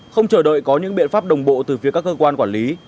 không chờ đợi có những biện pháp đồng bộ từ phía các cơ quan quản lý